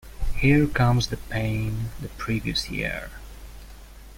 Here Comes the Pain the previous year.